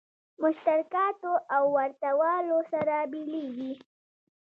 مشترکاتو او ورته والو سره بېلېږي.